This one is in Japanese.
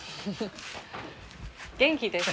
元気ですか？